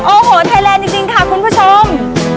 โอ้โหไทยแลนด์จริงค่ะคุณผู้ชม